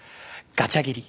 「ガチャ切り」